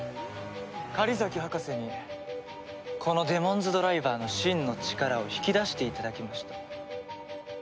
狩崎博士にこのデモンズドライバーの真の力を引き出していただきました。